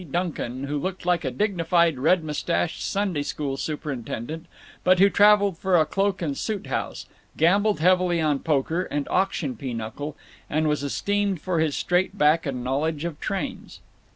Duncan, who looked like a dignified red mustached Sunday school superintendent, but who traveled for a cloak and suit house, gambled heavily on poker and auction pinochle, and was esteemed for his straight back and knowledge of trains.